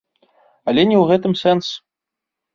Але не ў гэтым сэнс.